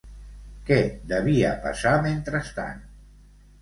Què devia passar mentrestant?